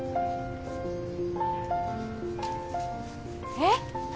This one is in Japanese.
えっ！？